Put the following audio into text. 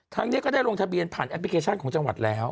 นี้ก็ได้ลงทะเบียนผ่านแอปพลิเคชันของจังหวัดแล้ว